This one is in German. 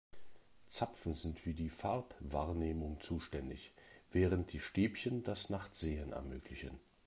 Zapfen sind für die Farbwahrnehmung zuständig, während die Stäbchen das Nachtsehen ermöglichen.